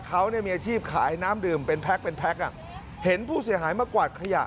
เขาเนี่ยมีอาชีพขายน้ำดื่มเป็นแพ็คเป็นแพ็คเห็นผู้เสียหายมากวาดขยะ